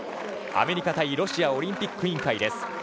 アメリカ対ロシアオリンピック委員会です。